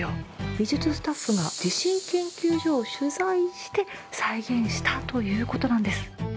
美術スタッフが地震研究所を取材して再現したということなんです